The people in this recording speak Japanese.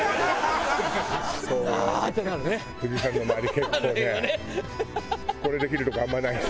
結構ねこれできるとこあんまないし。